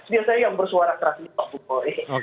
biasanya yang bersuara keras itu pak kukori